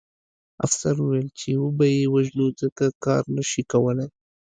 افسر وویل چې وبه یې وژنو ځکه کار نه شي کولی